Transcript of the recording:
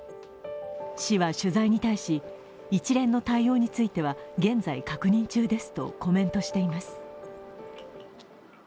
市は取材に対し、一連の対応については現在確認中ですとコメントしています。